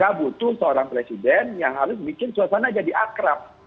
kita butuh seorang presiden yang harus bikin suasana jadi akrab